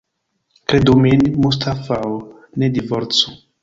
Kredu min, Mustafao, ne divorcu.